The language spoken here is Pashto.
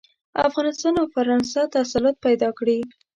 افغانستان او فرانسه تسلط پیدا کړي.